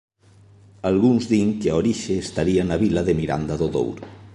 Algúns din que a orixe estaría na vila de Miranda do Douro.